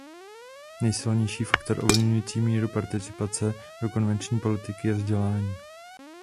Nejsilnější faktor ovlivňující míru participace do konvenční politiky je vzdělání.